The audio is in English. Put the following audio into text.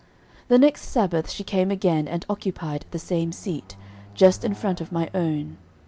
The next Sabbath she came again and occupied the same seat, just in front of my own.